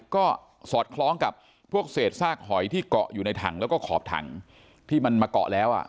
ก็สอดคล้องกับพวกเศษซากหอยที่เกาะอยู่ในถังแล้วก็ขอบถังที่มันมาเกาะแล้วอ่ะ